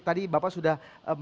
tadi bapak sudah